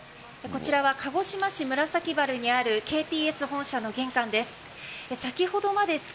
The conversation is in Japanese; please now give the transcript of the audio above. こちらは鹿児島市にあるＫＴＳ本社の玄関です。